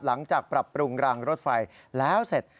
หลังจากปรับปรุงกลางรถไฟแล้วเสร็จ